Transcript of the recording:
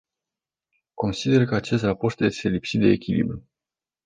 Consider că acest raport este lipsit de echilibru.